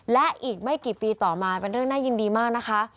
และอีกไม่กี่ปีต่อมาเป็นเรื่องน่ายินดีมากนะคะ